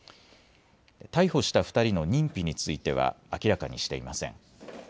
逮捕した２人の認否については明らかにしていません。